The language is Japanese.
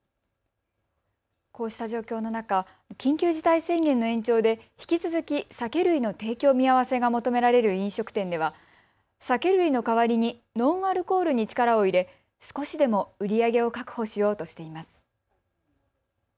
こうした状況の中、緊急事態宣言の延長で引き続き酒類の提供見合わせが求められる飲食店では酒類の代わりにノンアルコールに力を入れ少しでも売り上げを確保しようとしています。